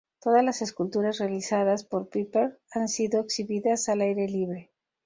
Todas las esculturas realizadas por Pepper han sido exhibidas al aire libre.